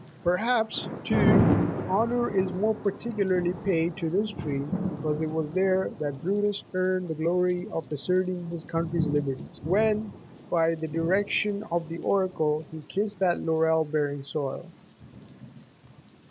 83 Perhaps, too, honour is more particularly paid to this tree because it was there that Brutus84 earned the glory of asserting his country's liberties, when, by # the direction of the oracle, he kissed that laurel bearing soil.